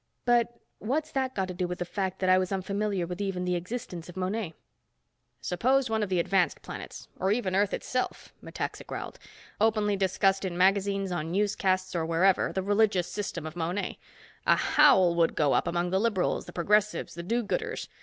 "But what's that got to do with the fact that I was unfamiliar with even the existence of Monet?" "Suppose one of the advanced planets, or even Earth itself," Metaxa growled, "openly discussed in magazines, on newscasts, or wherever, the religious system of Monet. A howl would go up among the liberals, the progressives, the do gooders.